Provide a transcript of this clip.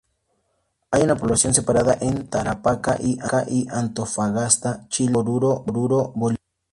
Hay una población separada en Tarapacá y Antofagasta, Chile y Oruro, Bolivia.